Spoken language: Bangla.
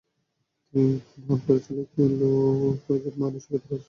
তিনি হনহন করে চলে গেলেন লো কোয়াজেত মানে সৈকতের পাশের রাস্তা বেয়ে।